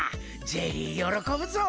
ジェリーよろこぶぞ！